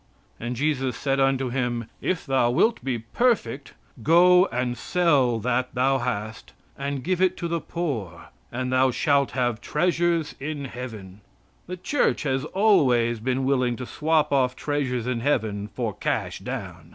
And Jesus said unto him: "If thou wilt be perfect, go and sell that thou hast and give it to the poor, and thou shalt have treasures in heaven." The Church has always been willing to swap off treasures in heaven for cash down.